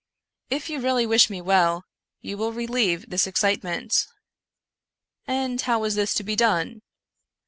If you really wish me well, you will relieve this excite ment." " And how is this to be done